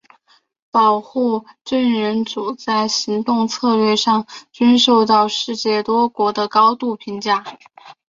保护证人组在行动策略上均受到世界多国的高度评价。